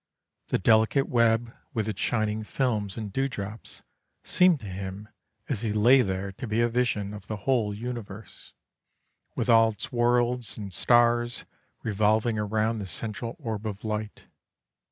The delicate web with its shining films and dewdrops seemed to him as he lay there to be a vision of the whole universe, with all its worlds and stars revolving around the central orb of light.